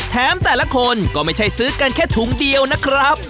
แต่ละคนก็ไม่ใช่ซื้อกันแค่ถุงเดียวนะครับ